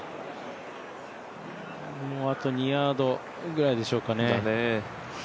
もうあと２ヤードくらいでしょうかね。